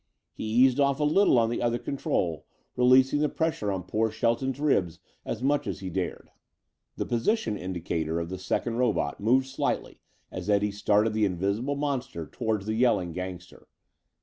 He eased off a little on the other control, releasing the pressure on poor Shelton's ribs as much as he dared. The position indicator of the second robot moved slightly as Eddie started the invisible monster toward the yelling gangster.